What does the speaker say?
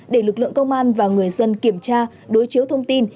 để lực lượng công an và người dân kiểm tra đối chiếu thông tin